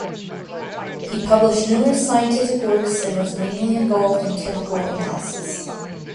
He published numerous scientific works and was mainly involved in chemical analysis.